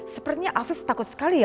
sepertinya afif takut sekali ya